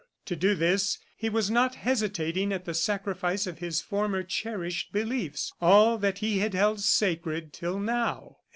To do this, he was not hesitating at the sacrifice of his former cherished beliefs, all that he had held sacred till now.